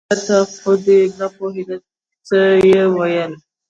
ټولو هغه رټه خو دی نه پوهېده څه یې ویلي